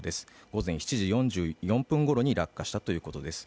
午前７時４４分ごろに落下したということです。